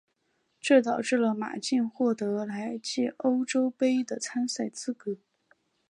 这导致了马竞获得来季欧洲杯的参赛资格。